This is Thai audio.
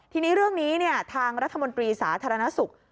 ทีนี้เรื่องนี้ทางรัฐมนตรีสาธารณสุข